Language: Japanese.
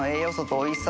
おいしい！